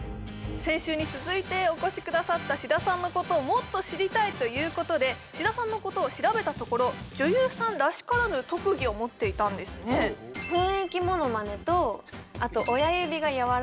先週に続いてお越しくださった志田さんのことをもっと知りたいということで志田さんのことを調べたところ女優さんらしからぬ特技を持っていたんですねあら！